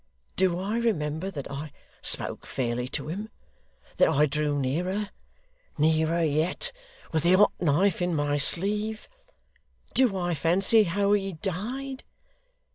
Do I remember that I spoke fairly to him that I drew nearer nearer yet with the hot knife in my sleeve? Do I fancy how HE died?